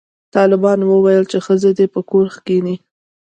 طالبانو ویل چې ښځې دې په کور کښېني